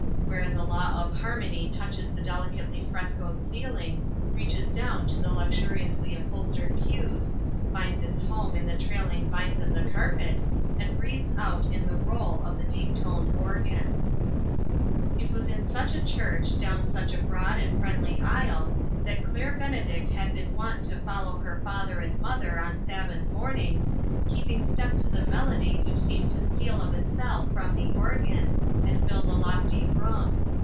Where the law of harmony touches the delicately frescoed ceiling, reaches down to the luxuri ously upholstered pews, finds its home in the trailing vines of the carpet, and breathes out in the roll of the deep toned organ. It was in such a church, down such a broad and friendly aisle, that Claire Ben edict had been wont to follow her father and mother on Sabbath mornings, keeping step to the melody which seemed to steal of itself from the organ, and fill the k>fty room.